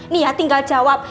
nih ya tinggal jawab